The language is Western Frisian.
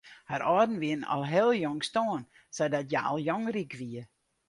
Har âlden wiene al heel jong stoarn sadat hja al jong ryk wie.